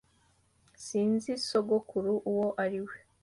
Sinzi sogokuru uwo ari we